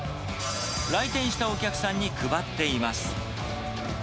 来店したお客さんに配っています。